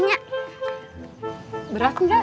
ini beras enggak